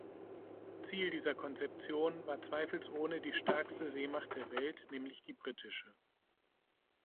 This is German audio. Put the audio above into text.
Ziel dieser Konzeption war zweifelsohne die stärkste Seemacht der Welt, nämlich die britische.